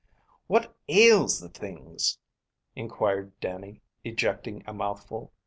"What ails the things?" inquired Dannie, ejecting a mouthful.